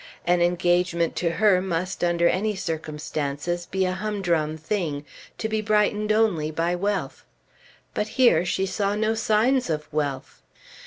An engagement to her must under any circumstances be a humdrum thing, to be brightened only by wealth. But here she saw no signs of wealth.